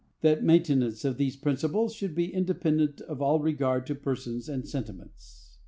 That maintenance of these principles should be independent of all regard to persons and sentiments.